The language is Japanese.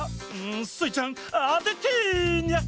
んスイちゃんあててニャ！